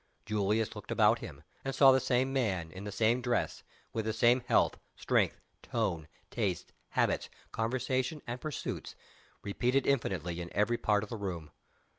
Julius looked about him, and saw the same man in the same dress, with the same health, strength, tone, tastes, habits, conversation, and pursuits, repeated infinitely in every part of the room.